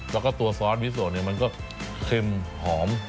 แล้วก็ตัวซอสไวท์โสมันก็เค็มหอม